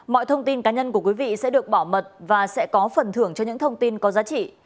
mọi thông tin cá nhân của quý vị sẽ được bảo mật và sẽ có phần thưởng cho những thông tin có giá trị